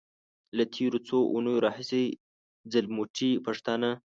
له تېرو څو اونيو راهيسې ځلموټي پښتانه.